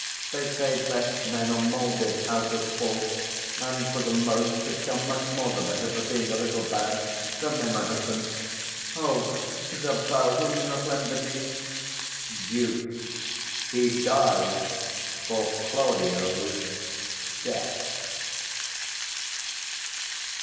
They say, best men are moulded out of faults; And, for the most, become much more the better For being a little bad: so may my husband. O Isabel, will you not lend a knee? 440 Duke. He dies for Claudio's death.